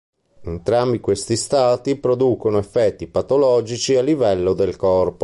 Entrambi questi stati, producono effetti patologici a livello del corpo.